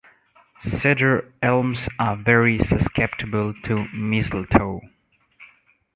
Cedar elms are very susceptible to mistletoe.